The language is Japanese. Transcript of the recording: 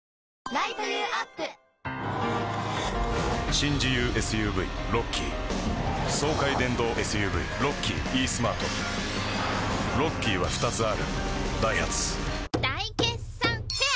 新自由ＳＵＶロッキー爽快電動ＳＵＶロッキーイースマートロッキーは２つあるダイハツ大決算フェア